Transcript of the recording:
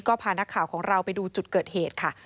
ก็พานักข่าวของเราไปดูจุดเกิดเหตุค่ะ